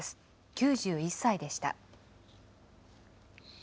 ９１歳でした。